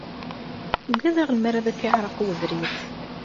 Ugadeɣ lemmer ad ak-yeɛreq webrid.